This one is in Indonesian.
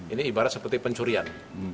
ini ibarat seperti pencurian